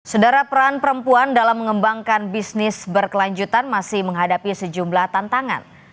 sedara peran perempuan dalam mengembangkan bisnis berkelanjutan masih menghadapi sejumlah tantangan